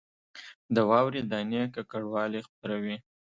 د واورې دانې ککړوالی خپروي